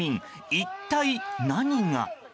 一体何が。